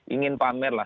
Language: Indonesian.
ingin pamer lah